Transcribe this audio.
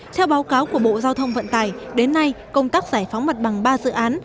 theo báo cáo của bộ giao thông vận tải đến nay công tác giải phóng mặt bằng ba dự án